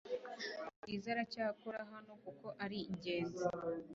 Bwiza aracyakora hano kuko ari ingenzi